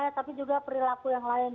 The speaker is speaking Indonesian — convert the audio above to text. tapi juga perilaku yang lain